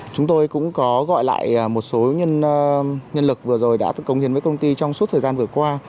chúng tôi cũng có gọi lại một số nhân lực vừa rồi đã tự công hiến với công ty trong suốt thời gian vừa qua